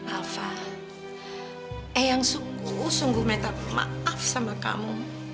alva eyang sungguh sungguh minta maaf sama kamu